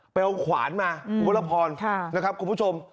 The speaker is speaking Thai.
ไปเอาขวานมาครับคุณผู้ชม